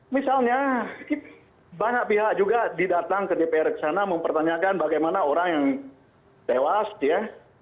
misalnya banyak pihak juga didatang ke dpr ke sana mempertanyakan bagaimana orang yang tewas ya